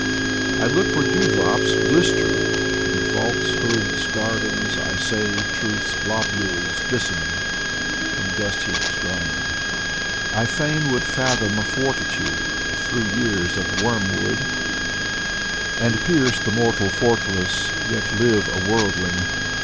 I look for dewdrops glistering In falsehood's gardens. I save truth's globules glistening, From dust heaps garnered. I fain would fathom fortitude Through years of wormwood — And pierce the mortal fortalice, Yet live, a worjdling.